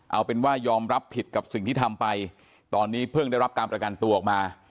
เอาเป็นว่ายอมรับผิดกับสิ่งที่ทำไปตอนนี้เพิ่งได้รับการประกันตัวออกมา